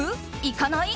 行かない？